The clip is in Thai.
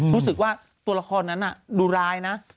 รู้สึกว่าตัวละครนั้นดูร้ายนะ